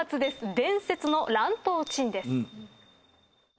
伝説の乱闘珍です。